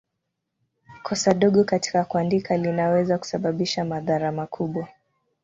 Kosa dogo katika kuandika linaweza kusababisha madhara makubwa.